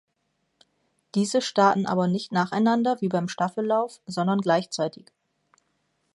Diese starten aber nicht nacheinander wie beim Staffellauf, sondern gleichzeitig.